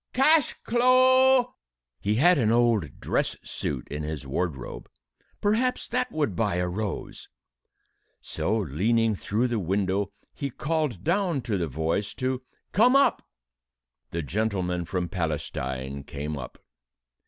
Cash clo'!" He had an old dress suit in his wardrobe. Perhaps that would buy a rose! So, leaning through the window, he called down to the voice to "come up." The gentleman from Palestine came up.